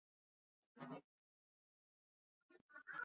罗浮山曾经在广东文化史上占有不可忽视的地位。